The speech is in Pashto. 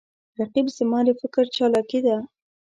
رقیب زما د فکر چالاکي ده